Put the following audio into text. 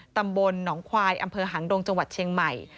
ตำบลหนองควายอำเภอหางดงจังหวัดเชียงใหม่